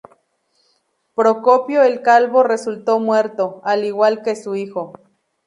Procopio el Calvo resultó muerto, al igual que su hijo.